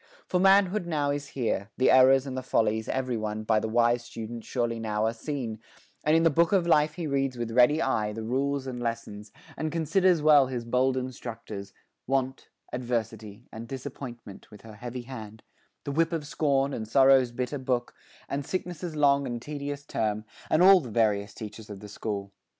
For manhood now Is here the errors and the follies, everyone, By the wise student surely now are seen, And in the book of life he reads with ready eye The rules and lessons, and considers well His bold instructors, Want, Adversity, And Disappointment, with her heavy hand; The whip of Scorn, and Sorrow's bitter book, And Sickness' long and tedious term, And all the various teachers of the school.